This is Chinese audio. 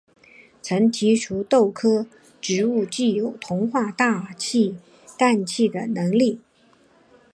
曾提出豆科植物具有同化大气氮气的能力。